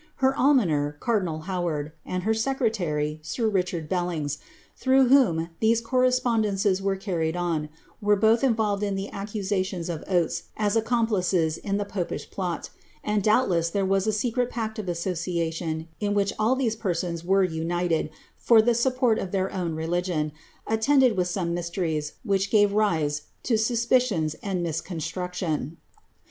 Her almoner, cardinal Howard, and her secretary, sir Richard Bellings, through whom these correspondences were carried on, were both involved in the accusations of Oates as accomplices in the popish plot ; and, doubtless, there was a secret pact of association m which all these persons were united for the support of their own reli^on, attended with some mysteries, which gave rise to suspicions and misconstruction.